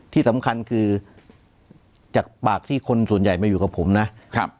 ที่สำคัญคือจากปากที่คนส่วนใหญ่มาอยู่กับผมนะครับ